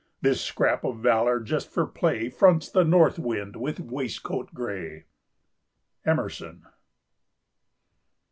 This scrap of valor, just for play, Fronts the north wind with waistcoat gray." —Emerson.